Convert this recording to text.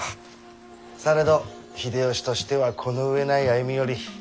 されど秀吉としてはこの上ない歩み寄り。